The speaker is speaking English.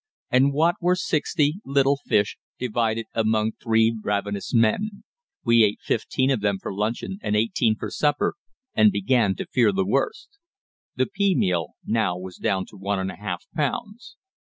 And what were sixty little fish divided among three ravenous men! We ate fifteen of them for luncheon and eighteen for supper, and began to fear the worst. The pea meal now was down to one and a half pounds.